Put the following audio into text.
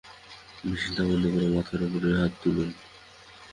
মেশিনটা বন্ধ করে মাথার উপরে হাত তুলুন।